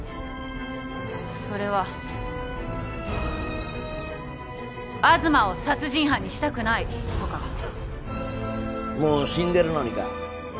それは東を殺人犯にしたくないとかふっもう死んでるのにか？